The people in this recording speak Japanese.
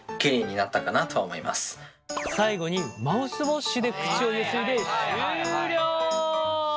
最後にマウスウォッシュで口をゆすいで終了。